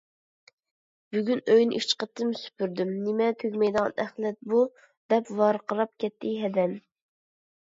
— بۈگۈن ئۆينى ئۈچ قېتىم سۈپۈردۈم، نېمە تۈگىمەيدىغان ئەخلەت بۇ؟ !— دەپ ۋارقىراپ كەتتى ھەدەم.